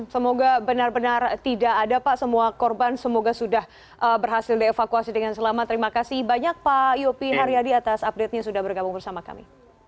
semoga benar benar tidak ada pak semua korban semoga sudah berhasil dievakuasi dengan selamat terima kasih banyak pak yopi haryadi atas update nya sudah bergabung bersama kami